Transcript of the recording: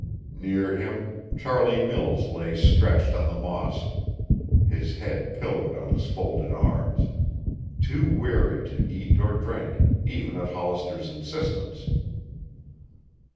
Near him Charlie Mills lay stretched on the moss, his head pillowed on his folded arms, too weary to eat or drink, even at Hollister's insistence.